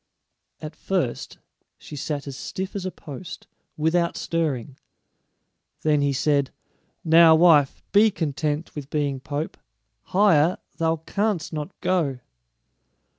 At first she sat as stiff as a post, without stirring. Then he said, "Now, wife, be content with being pope; higher thou canst not go."